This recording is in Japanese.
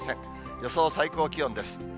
予想最高気温です。